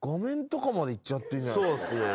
そうっすね。